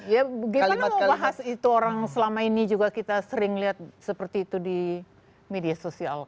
ya gimana mau bahas itu orang selama ini juga kita sering lihat seperti itu di media sosial